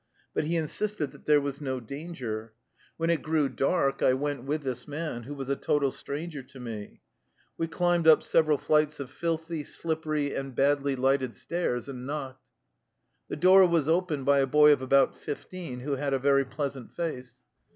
But he insisted that there was no danger. When it grew dark 2 Policeman. 217 THE LIFE STOKY OF A EUSSIAN EXILE I went with this man, who was a total stranger to me. We climbed up several flights of filthy, slippery, and badly lighted stairs and knocked. The door was opened by a boy of about 15, who had a very pleasant face.